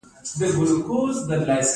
د پیتالوژي علم د ناروغیو نومونه ورکوي.